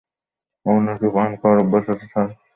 আপনার কি পান খাওয়ার অভ্যাস আছে স্যার?